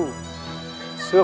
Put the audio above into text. kepada gusti prabu